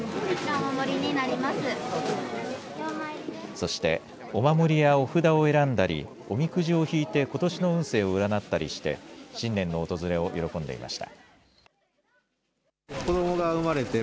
そしてお守りやお札を選んだりおみくじを引いてことしの運勢を占ったりして新年の訪れを喜んでいました。